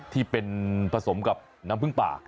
ที่เป็นผสมกับน้ำผึ้งป่า